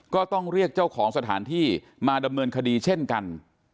ก็ต้องเรียกเจ้าของสถานที่มาดำเนินคดีเช่นกัน